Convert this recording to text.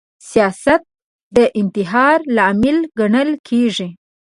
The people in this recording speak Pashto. سیاست د انتحار لامل ګڼل کیږي